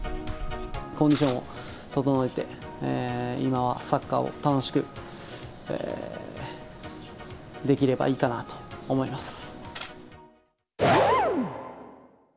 コンディションを整えて、今はサッカーを楽しくできればいいかなと思います。